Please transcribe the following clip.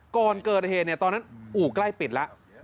ก่อนเกิดเหตุตอนนั้นอู่ใกล้ปิดแล้ว